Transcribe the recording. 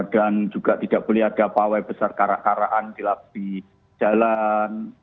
dan juga tidak boleh ada pawai besar kara karaan di lapi jalan